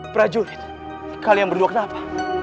prajurit kalian berdua kenapa